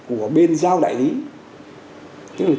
của bên giá của người tiêu dùng